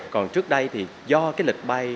còn trước đây thì do cái lịch bay